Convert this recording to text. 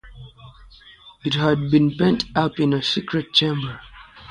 It had been pent up in a secret chamber.